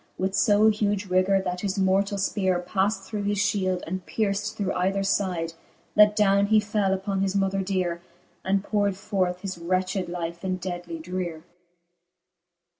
With {o huge rigour, that his mortall fpeare Pad through his fhield, and pierft through either f)'dc, That downe he fell uppon his mother deare, And powred forth his wretched life in deadly dreare.